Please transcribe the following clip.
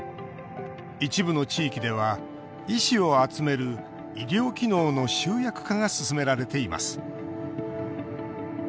一部の地域では医師を集める医療機能の集約化が進められています。